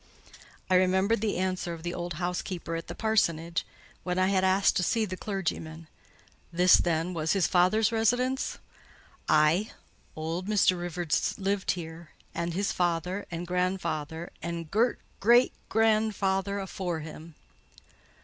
I remembered the answer of the old housekeeper at the parsonage, when I had asked to see the clergyman. "This, then, was his father's residence?" "Aye; old Mr. Rivers lived here, and his father, and grandfather, and gurt (great) grandfather afore him."